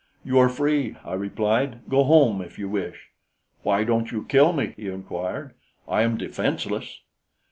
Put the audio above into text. "You are free," I replied. "Go home, if you wish." "Why don't you kill me?" he inquired. "I am defenseless."